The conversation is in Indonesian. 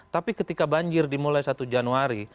tapi ketika banjir dimulai satu januari